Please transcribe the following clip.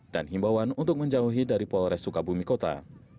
dan himbawan untuk menjauhi dari polres sukabumi kota